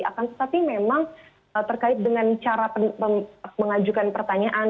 akan tetapi memang terkait dengan cara mengajukan pertanyaan